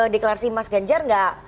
deklarasi mas gajar gak